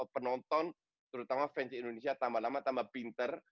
penonton terutama fans indonesia tambah lama tambah pinter